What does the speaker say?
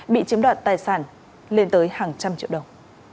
bị chiếm đoạt tài sản lên tới hàng trăm triệu đồng